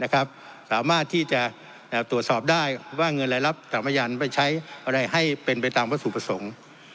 สามารถที่จะตรวจสอบได้ว่าเงินรายรับสถานพยาบาลไม่ใช้อะไรให้เป็นไปตามสู่ประสงค์